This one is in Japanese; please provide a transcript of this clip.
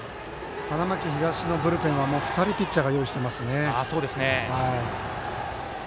花巻東のブルペンは２人ピッチャーを用意していますね。